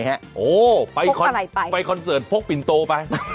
โหไปคอนเสิรตโพกปินโตไป